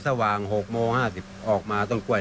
ตังกล้วง่ายเคยเพิ่งพบ